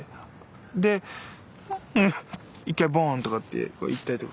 で一回ボンとかっていったりとか。